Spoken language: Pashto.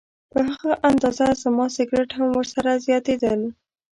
په هغه اندازه زما سګرټ هم ورسره زیاتېدل.